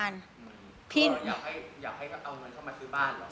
เพราะเราอยากให้เอาเงินเข้ามาซื้อบ้านเหรอ